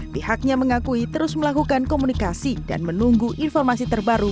pihaknya mengakui terus melakukan komunikasi dan menunggu informasi terbaru